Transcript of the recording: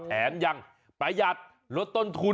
แถมยังประหยัดลดต้นทุน